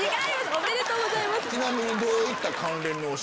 おめでとうございます。